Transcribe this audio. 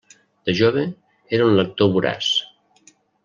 De jove era un lector voraç.